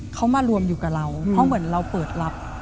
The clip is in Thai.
เขามารวมอยู่กับเราเพราะเหมือนเราเปิดรับ